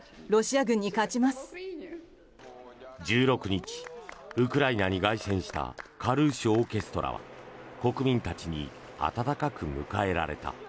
１６日、ウクライナに凱旋したカルーシュ・オーケストラは国民たちに温かく迎えられた。